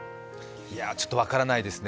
ちょっと分からないですね。